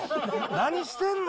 何してんの？